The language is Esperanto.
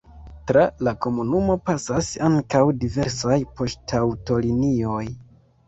Tra la komunumo pasas ankaŭ diversaj poŝtaŭtolinioj.